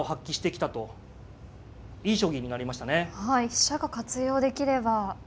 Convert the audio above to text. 飛車が活用できれば。